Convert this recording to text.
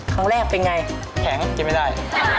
ครั้งแรกเป็นไงแข็งกินไม่ได้